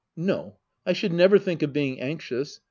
No^ I should never think of being anxious.